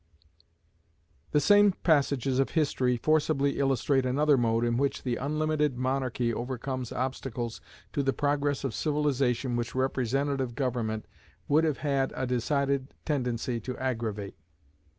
The same passages of history forcibly illustrate another mode in which unlimited monarchy overcomes obstacles to the progress of civilization which representative government would have had a decided tendency to aggravate.